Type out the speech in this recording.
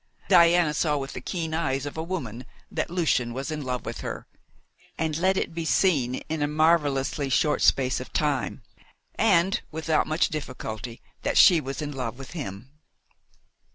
Diana saw with the keen eyes of a woman that Lucian was in love with her, and let it be seen in a marvellously short space of time, and without much difficulty, that she was in love with him.